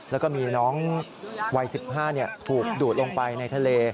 แล้วก็มีน้องวัย๑๕ถูกดูดลงไปในทะเล